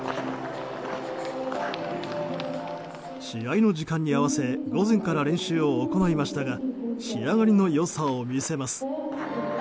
試合の時間に合わせ午前から練習を行いましたが仕上がりの良さを見せます。